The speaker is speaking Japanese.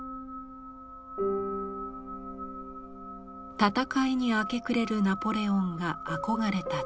戦いに明け暮れるナポレオンが憧れた地。